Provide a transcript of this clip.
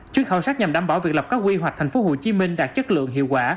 chuyến khảo sát nhằm đảm bảo việc lập các quy hoạch tp hcm đạt chất lượng hiệu quả